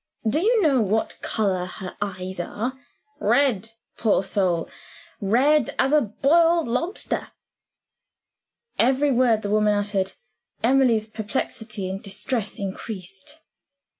Do you know what color her eyes are? Red, poor soul red as a boiled lobster." With every word the woman uttered, Emily's perplexity and distress increased.